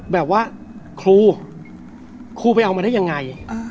แบบว่าครูครูไปเอามาได้ยังไง